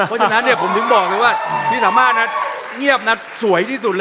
เพราะฉะนั้นผมถึงบอกเลยว่าพี่สามมาเนียบนะสวยที่สุดเลย